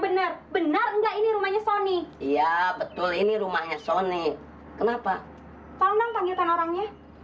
bener bener enggak ini rumahnya sony iya betul ini rumahnya sony kenapa tanggung tanggung orangnya